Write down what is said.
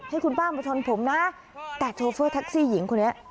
ให้คุณป้ามาชนผมนะแต่โชเฟอร์แท็กซี่หญิงคนนี้